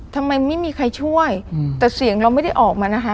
ทำไมไม่มีใครช่วยแต่เสียงเราไม่ได้ออกมานะคะ